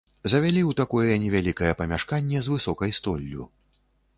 Завялі ў такое невялікае памяшканне з высокай столлю.